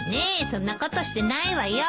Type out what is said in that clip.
そんなことしてないわよ。